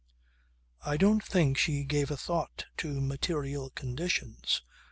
I don't think she gave a thought to material conditions.